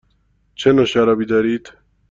چه نوع شرابی دارید؟